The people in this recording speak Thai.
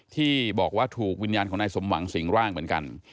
ที่บอกว่าถูกวิญญาณของนายสมหวังสิงร่างเหมือนกัน